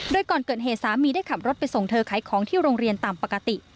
โดยก่อนเกิดเหตุสามีได้ขับรถไปส่งเธอขายของที่โรงเรียนตามปกติ